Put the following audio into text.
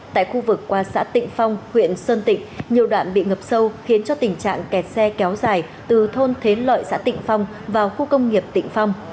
tại khu vực qua xã tịnh phong huyện sơn tịnh nhiều đoạn bị ngập sâu khiến cho tình trạng kẹt xe kéo dài từ thôn thế lợi xã tịnh phong vào khu công nghiệp tịnh phong